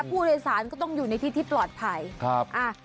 รัฐบุริษัทก็ต้องอยู่ในที่ที่ปลอดภัยครับอ่า